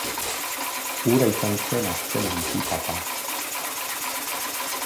Hura izan zen azken antipapa.